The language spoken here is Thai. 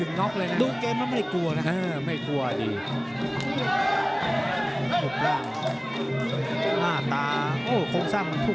โรงต้มนะไม่ใช่โดนต้มนะ